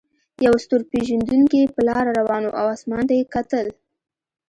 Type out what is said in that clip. یو ستور پیژندونکی په لاره روان و او اسمان ته یې کتل.